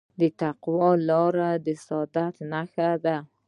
د تقوی لاره د سعادت نښه ده.